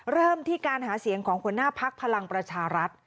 เริ่มที่การหาเสียงของหัวหน้าพักพลังประชารัฐ